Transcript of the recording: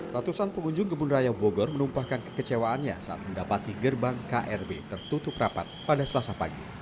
ratusan pengunjung kebun raya bogor menumpahkan kekecewaannya saat mendapati gerbang krb tertutup rapat pada selasa pagi